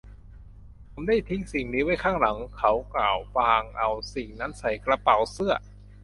ผมได้ทิ้งสิ่งนี้ไว้ข้างหลัง เขากล่าวพลางเอาสิ่งนั้นใส่กระเป๋าเสื้อ